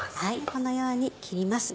このように切ります。